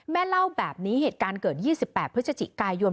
แม่เล่าแบบนี้เหตุการณ์เกิด๒๘พฤศจิกายน